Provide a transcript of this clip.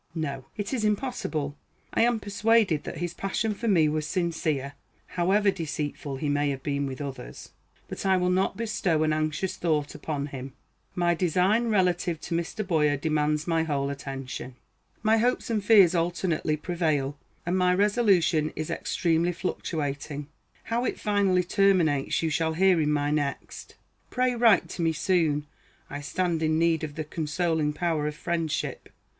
No; it is impossible. I am persuaded that his passion for me was sincere, however deceitful he may have been with others. But I will not bestow an anxious thought upon him. My design relative to Mr. Boyer demands my whole attention. My hopes and fears alternately prevail, and my resolution is extremely fluctuating. How it finally terminates you shall hear in my next. Pray write to me soon. I stand in need of the consoling power of friendship.